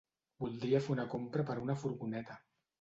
Voldria fer una compra per una furgoneta.